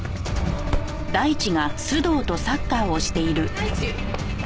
大地？